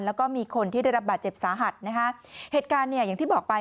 แล้วก็มีคนที่ได้รับบาดเจ็บสาหัสนะคะเหตุการณ์เนี่ยอย่างที่บอกไป